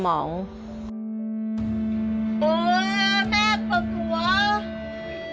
มะเร็งในเล็กคาวที่สมอง